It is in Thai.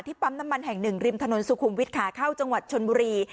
ปั๊มน้ำมันแห่งหนึ่งริมถนนสุขุมวิทย์ขาเข้าจังหวัดชนบุรี